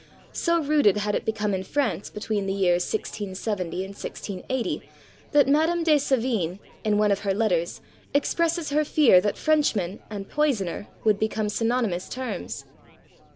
So rooted had it become in France between the years 1670 and 1680, that Madame de Sevigné, in one of her letters, expresses her fear that Frenchman and poisoner would become synonymous terms.